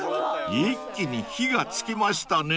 ［一気に火が付きましたね］